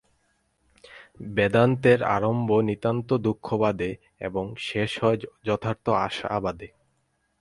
বেদান্তের আরম্ভ নিতান্ত দুঃখবাদে এবং শেষ হয় যথার্থ আশাবাদে।